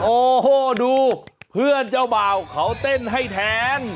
โอ้โหดูเพื่อนเจ้าบ่าวเขาเต้นให้แทน